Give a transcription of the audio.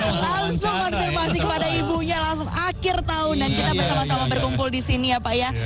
langsung konfirmasi kepada ibunya langsung akhir tahun dan kita bersama sama berkumpul di sini ya pak ya